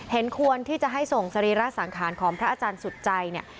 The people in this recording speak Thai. เห็นควรที่จะให้ส่งสรีระสังขารของพระอาจารย์สุดใจเนี่ย